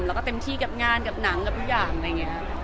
แล้วก็เต็มที่กับงานกับหนังกับทุกอย่างอะไรอย่างนี้